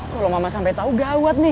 kalau mama sampai tahu gawat nih